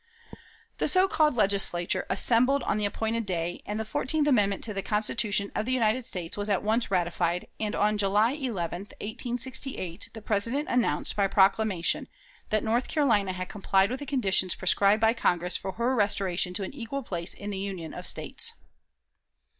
_" The so called Legislature assembled on the appointed day, and the fourteenth amendment to the Constitution of the United States was at once ratified, and on July 11, 1868, the President announced by proclamation that "North Carolina had complied with the conditions prescribed by Congress for her restoration to an equal place in the Union of States."